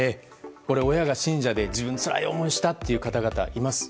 親が信者で、自分もつらい思いをしたという方々もいます。